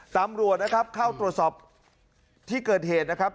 ตำรวจนะครับเข้าตรวจสอบที่เกิดเหตุนะครับ